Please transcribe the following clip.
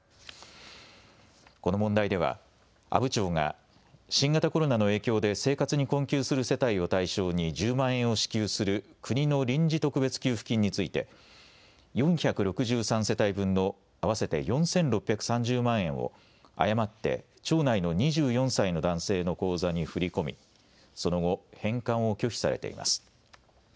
この問題では阿武町が新型コロナの影響で生活に困窮する世帯を対象に１０万円を支給する国の臨時特別給付金について４６３世帯分の合わせて４６３０万円を誤って町内の２４歳の男性の口座に振り込み、その後、返還を拒否されています。